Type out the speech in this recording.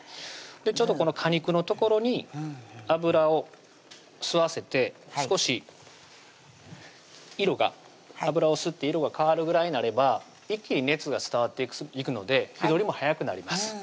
ちょうどこの果肉の所に油を吸わせて少し色が油を吸って色が変わるぐらいになれば一気に熱が伝わっていくので火通りも早くなります